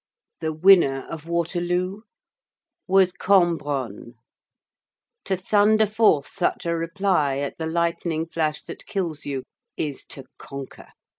The winner of Waterloo was Cambronne. To thunder forth such a reply at the lightning flash that kills you is to conquer!